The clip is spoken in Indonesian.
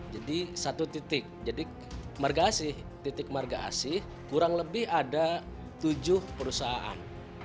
jadi satu titik jadi marga asih titik marga asih kurang lebih ada tujuh perusahaan